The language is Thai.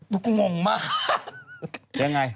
นี่กูงงมากยังไง